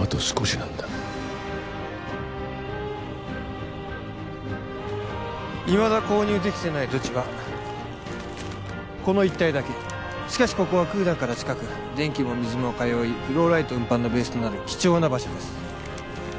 あと少しなんだいまだ購入できてない土地はこの一帯だけしかしここはクーダンから近く電気も水も通いフローライト運搬のベースとなる貴重な場所です